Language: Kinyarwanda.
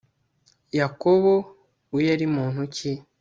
yakobo we yari muntu ki